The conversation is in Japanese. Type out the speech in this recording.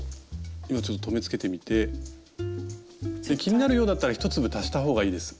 今ちょっと留めつけてみて気になるようだったら１粒足した方がいいです